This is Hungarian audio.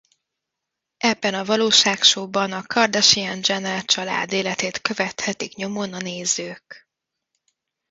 Ebben a valóságshow-ban a Kardashian-Jenner család életét követhetik nyomon a nézők.